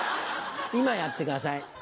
今やってください